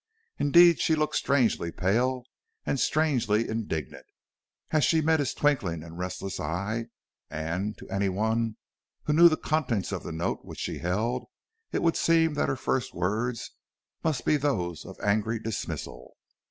Indeed she looked strangely pale and strangely indignant as she met his twinkling and restless eye, and, to any one who knew the contents of the note which she held, it would seem that her first words must be those of angry dismissal.